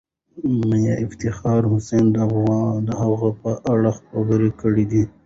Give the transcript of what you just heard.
میا افتخار حسین د هغه په اړه خبرې کړې دي.